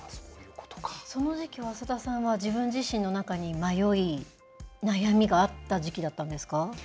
その時期は浅田さんは、自分自身の中に、迷い、悩みがあった時期だったんですか？